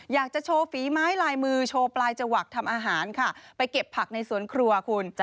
อยากจะโชว์ฝีไม้ลายมือโชว์ปลายจวักทำอาหารค่ะไปเก็บผักในสวนครัวคุณ